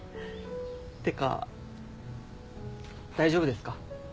ってか大丈夫ですか？